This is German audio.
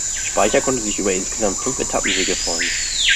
Speicher konnte sich über insgesamt fünf Etappensiege freuen.